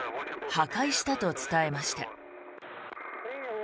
破壊したと伝えました。